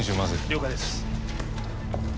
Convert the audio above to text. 了解です。